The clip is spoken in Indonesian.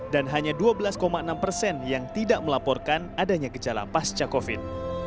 dan hanya dua belas enam persen yang tidak melaporkan adanya gejala pasca covid sembilan belas